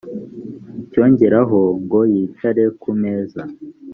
icyo ageraho ngo yicare kumeza